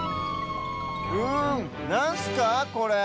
うんなんすかこれ？